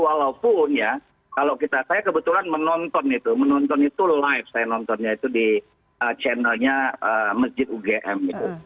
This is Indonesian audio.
walaupun ya kalau saya kebetulan menonton itu menonton itu live saya nontonnya itu di channelnya masjid ugm gitu